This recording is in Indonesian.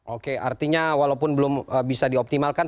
oke artinya walaupun belum bisa dioptimalkan